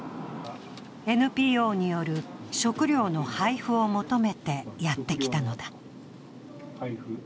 ＮＰＯによる食料の配布を求めてやってきたのだ。